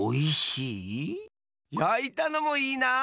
やいたのもいいな！